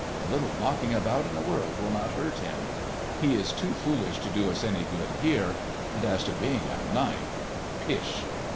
"A little knocking about in the world will not hurt him. He is too foolish to do us any good here. And as to being a knight—pish!"